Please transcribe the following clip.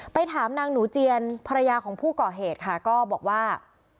ถามนางหนูเจียนภรรยาของผู้ก่อเหตุค่ะก็บอกว่า